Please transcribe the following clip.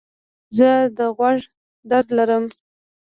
زه د غوږ درد لرم.